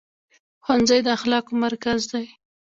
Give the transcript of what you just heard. ښوونځی د اخلاقو مرکز دی.